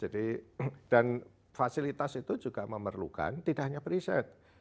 dan fasilitas itu juga memerlukan tidak hanya preset